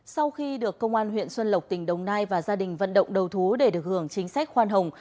sau khi được công an huyện xuân lộc tỉnh đồng nai và gia đình vận động đầu thú để được hưởng chính sách khoan hồng